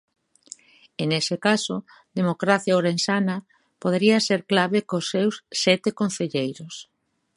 E nese caso Democracia Ourensana podería ser clave cos seus sete concelleiros.